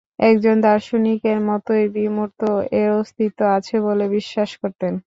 একজন দার্শনিকের মতই বিমূর্ত এর অস্তিত্ব আছে বলে বিশ্বাস করতেন।